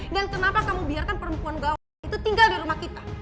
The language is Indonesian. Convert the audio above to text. dan kenapa kamu biarkan perempuan gawah itu tinggal di rumah kita